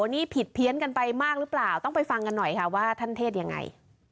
นี่ผิดเพี้ยนกันไปมากหรือเปล่าต้องไปฟังกันหน่อยค่ะว่าท่านเทศยังไง